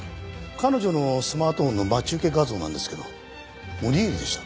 彼女のスマートフォンの待ち受け画像なんですけどおにぎりでした。